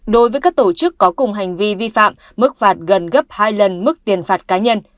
đối với các tổ chức có cùng hành vi vi phạm mức phạt gần gấp hai lần mức tiền phạt cá nhân